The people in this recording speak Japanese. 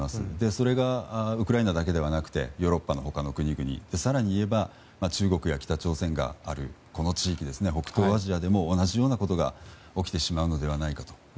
それがウクライナだけではなくヨーロッパの他の国々更にいえば中国や北朝鮮があるこの地域北東アジアでも同じようなことが起きてしまうのではないかと。